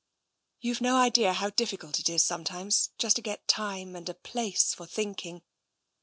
'* YouVe no idea how difficult it is sometimes just to get time and a place for thinking.